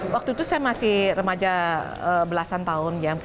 waktu itu saya masih remaja belasan tahun